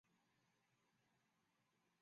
扶桑町为爱知县北部的町。